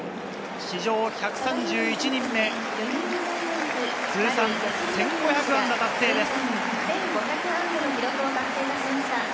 史上１３１人目、通算１５００安打達成です！